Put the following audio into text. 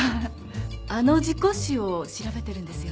あの事故死を調べてるんですよね。